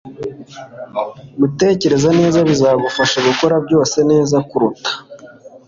gutekereza neza bizagufasha gukora byose neza kuruta